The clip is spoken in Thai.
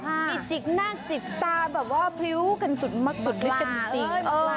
มีจิ๊กหน้าจิ๊กตาแบบว่าพริ้วกันสุดมากสุดด้วยจริง